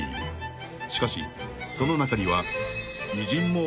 ［しかしその中には偉人も］